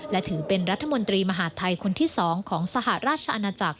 และถือเป็นรัฐมนตรีมหาดไทยคนที่๒ของสหราชอาณาจักร